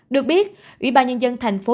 được biết ubnd tp hcm